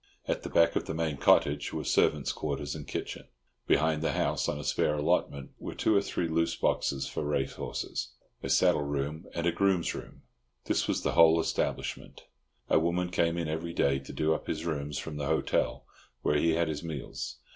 At the back of the main cottage were servants' quarters and kitchen. Behind the house, on a spare allotment, were two or three loose boxes for racehorses, a saddle room and a groom's room. This was the whole establishment. A woman came in every day to do up his rooms from the hotel, where he had his meals.